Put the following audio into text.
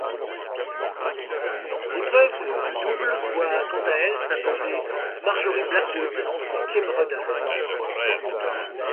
L'épreuve de double voit quant à elle s'imposer Marjorie Blackwood et Kym Ruddell.